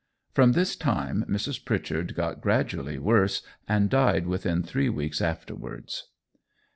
From this time Mrs. Pritchard got gradually worse, and died within three weeks afterwards.